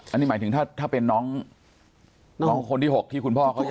อันนี้หมายถึงถ้าเป็นน้องคนที่๖ที่คุณพ่อเขาจะ